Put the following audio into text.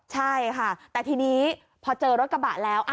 ใช่ค่ะแต่ทีนี้พอเจอรถกระบะแล้ว